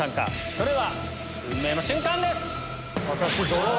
それでは運命の瞬間です！